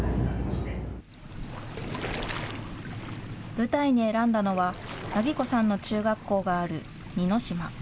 舞台に選んだのは、梛子さんの中学校がある似島。